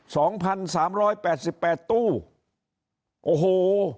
สองพันสามร้อยแปดสิบแปดตู้โอ้โห